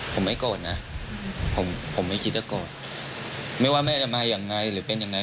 ผมไม่โกรธนะผมผมไม่คิดจะโกรธไม่ว่าแม่จะมายังไงหรือเป็นยังไง